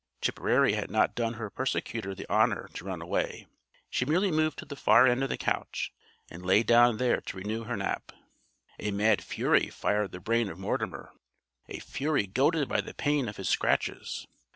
Tipperary had not done her persecutor the honor to run away. She merely moved to the far end of the couch and lay down there to renew her nap. A mad fury fired the brain of Mortimer; a fury goaded by the pain of his scratches.